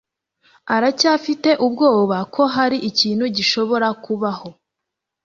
Uracyafite ubwoba ko hari ikintu gishobora kubaho?